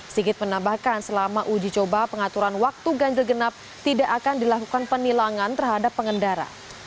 sigit menambahkan selama uji coba pengaturan waktu ganjil genap tidak akan dilakukan penilangan terhadap pengendara